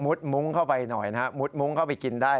มุ้งเข้าไปหน่อยนะฮะมุดมุ้งเข้าไปกินได้